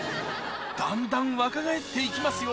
だんだん若返っていきますよ